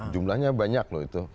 jumlahnya banyak loh itu